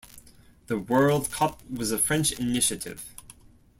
The World Cup was a French initiative.